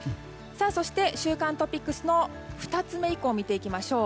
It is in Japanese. そして、週間トピックスの２つ目以降を見ていきましょう。